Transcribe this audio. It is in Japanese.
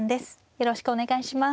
よろしくお願いします。